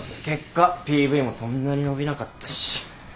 結果ＰＶもそんなに伸びなかったし。